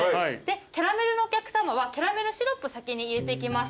キャラメルのお客さまはキャラメルシロップ先に入れていきます。